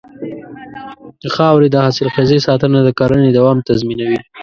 د خاورې د حاصلخېزۍ ساتنه د کرنې دوام تضمینوي.